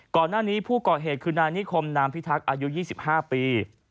ก่อนหน้านี้ผู้ก่อเหตุคือนายนิคมนามพิทักษ์อายุ๒๕ปี